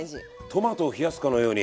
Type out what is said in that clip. トマトを冷やすかのように。